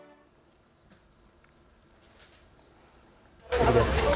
次です。